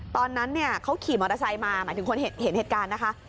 ตอนนั้นเขาขี่มอเตอร์ไซค์มาหมายถึงคนเห็นเหตุการณ์นะคะ